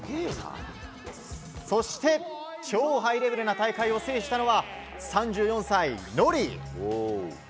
そして超ハイレベルな大会を制したのは３４歳、ＮＯＲＩ。